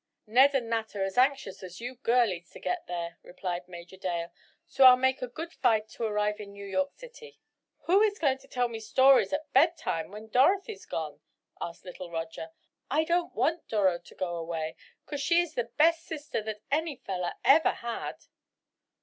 "Ned and Nat are as anxious as are you girlies to get there," replied Major Dale, "so I'll make a good fight to arrive in New York City." "Who is going to tell me stories at bed time, when Dorothy's gone?" asked little Roger. "I don't want Doro to go away, 'cause she's the best sister that any feller ever had."